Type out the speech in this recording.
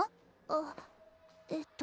あっえっと